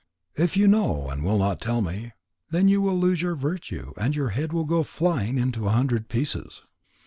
If you know and will not tell me, then you will lose your virtue, and your head will go flying into a hundred pieces."